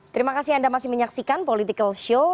terima kasih anda masih menyaksikan political show